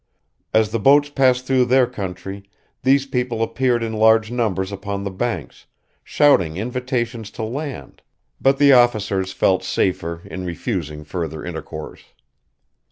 As the boats passed through their country, these people appeared in large numbers upon the banks, shouting invitations to land; but the officers felt safer in refusing further intercourse.